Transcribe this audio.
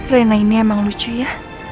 rena ini emang lucu ya